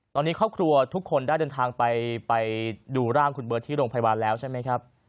ตอนนี้ครอบครัวทุกคนได้เดินทางไปดูร่างคุณเบิร์ตที่โรงพยาบาลแล้วใช่ไหมครับ